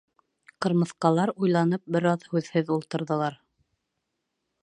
Ҡырмыҫҡалар уйланып бер аҙ һүҙһеҙ ултырҙылар.